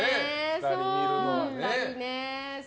２人見るのは。